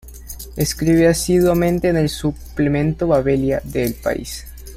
Escribe asiduamente en el suplemento "Babelia", de El País.